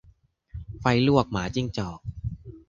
ไฟลวกหมาจิ้งจอก